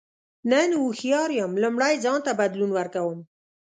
نن هوښیار یم لومړی ځان ته بدلون ورکوم.